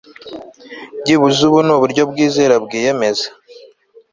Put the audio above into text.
byibuze ubu ni uburyo kwizera kwiyemeza